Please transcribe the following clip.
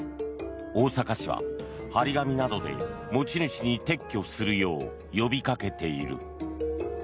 大阪市は貼り紙などで持ち主に撤去するよう呼びかけている。